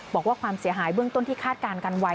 บอกว่าความเสียหายเบื้องต้นที่คาดการณ์กันไว้